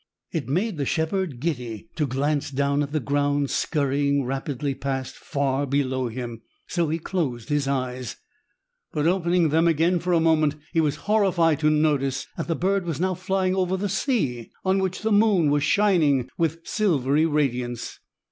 It made the shepherd giddy to glance down at the ground scurrying rapidly past far below him. So he closed his eyes, but opening them again for a moment, he was horrified to notice that the bird was now flying over the sea on which the moon was shining with silvery radiance.